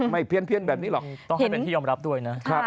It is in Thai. ไม่เพี้ยนแบบนี้หรอก